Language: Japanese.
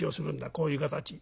こういう形。